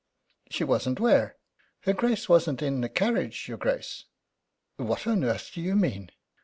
"She wasn't where?" "Her Grace wasn't in the carriage, your Grace." "What on earth do you mean?"